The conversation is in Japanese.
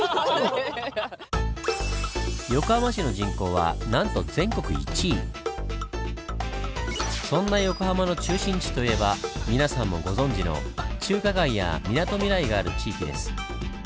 横浜市の人口はなんとそんな横浜の中心地といえば皆さんもご存じの中華街や「みなとみらい」がある地域です。